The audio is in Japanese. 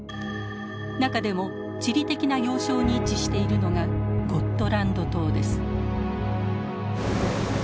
中でも地理的な要衝に位置しているのがゴットランド島です。